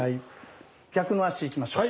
逆の足いきましょう。